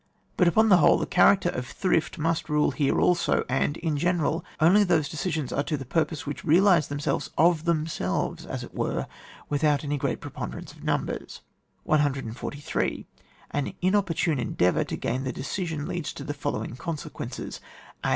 But upon the whole the character of thrift must rule here also, and, in general, only those decisions are to the purpose which realise themselves of themselves as it were, without any g^reat preponderance of numbers. 143. An inopportune endeavour to gain the decision leads to the following con sequences :— (a.)